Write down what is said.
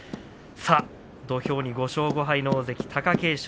土俵に５勝５敗、大関貴景勝